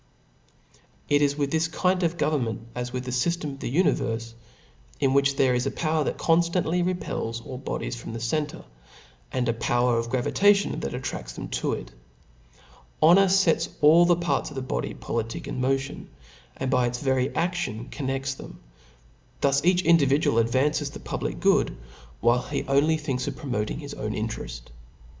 It is with this kind of government as with the fyft6n% of the univerie, m which there is a power that; conftantly repels all bodies from the center, and a power of gravitation tha£ attra^s them to it. Honor fets all the piurts of the body po^ Jitic in modon, and by its very a&bn con nods' thscm ', thus each individual advanges the pulidic good, while he only thiaks of ppomotiog his own iotereit .